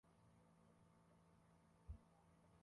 kutolewa kwake moja moja kwa au kwa kuzuia kufyonzwa kwake